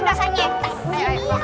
enggak enggak enggak